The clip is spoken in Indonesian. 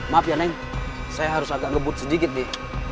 maaf ya neng saya harus agak ngebut sedikit nih